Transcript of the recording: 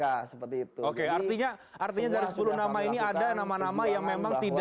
seperti itu oke artinya dari sepuluh nama ini ada nama nama yang memang tidak